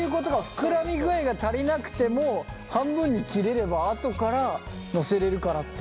ふくらみ具合が足りなくても半分に切れればあとから載せれるからっていう。